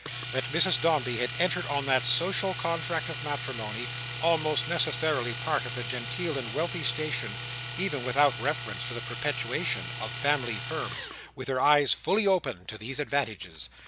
That Mrs Dombey had entered on that social contract of matrimony: almost necessarily part of a genteel and wealthy station, even without reference to the perpetuation of family Firms: with her eyes fully open to these advantages.